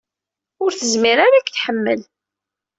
Ur tezmir ara ad k-tḥemmel.